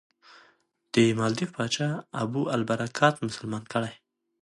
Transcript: د مالدیو پاچا ابوالبرکات مسلمان کړی.